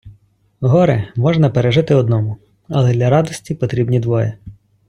Горе можна пережити одному, але для радості потрібні двоє.